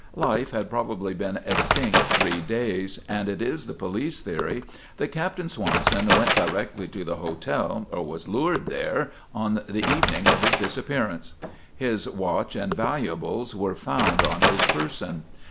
"Life had probably been extinct three days, and it is the police theory that Captain Swanson went directly to the hotel or was lured there on the evening of his disappearance. "His watch and valuables were found on his person.